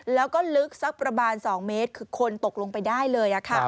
แล้วก็ลึกสักประมาณ๒เมตรคือคนตกลงไปได้เลย